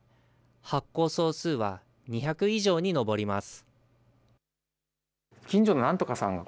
発行総数は２００以上に上ります。